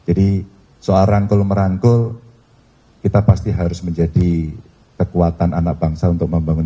jadi soal rangkul merangkul kita pasti harus menjadi kekuatan anak bangsa untuk mengembangkan